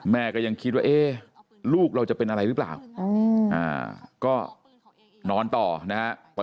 แม่ก็ยังคิดว่าลูกเราจะเป็นอะไรหรือเปล่าก็นอนต่อนะฮะ